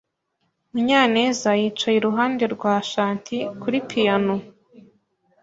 Munyaneza yicaye iruhande rwa Ashanti kuri piyano.